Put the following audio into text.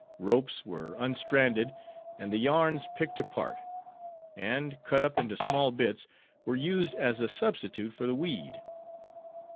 Ropes were unstranded, and the yarns picked apart; and, cut up into small bits, were used as a substitute for the weed.